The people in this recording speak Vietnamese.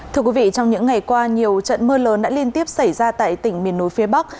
thưa quý vị trong những ngày qua nhiều trận mưa lớn đã liên tiếp xảy ra tại tỉnh miền núi phía bắc